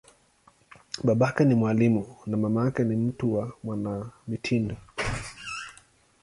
Babake ni mwalimu, na mamake ni mtu wa mwanamitindo.